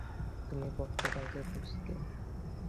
তুমি বড্ড বাজে, পুচকে।